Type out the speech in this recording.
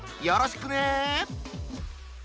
よろしくね！